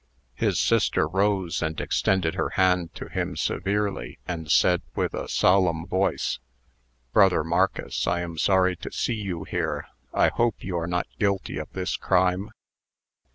His sister rose, and extended her hand to him severely, and said, with a solemn voice: "Brother Marcus, I am sorry to see you here. I hope you are not guilty of this crime?"